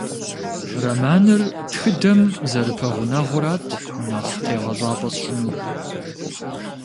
Романыр тхыдэм зэрыпэгъунэгъурат нэхъ тегъэщӏапӏэ сщӏынур.